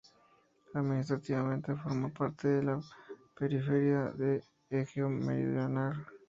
Administrativamente, forma parte de la periferia de Egeo Meridional.